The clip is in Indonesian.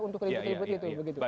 untuk ribut ribut itu begitu